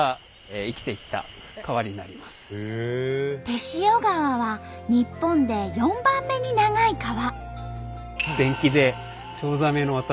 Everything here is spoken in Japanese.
天塩川は日本で４番目に長い川。